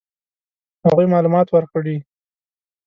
هغوی معلومات ورکړي.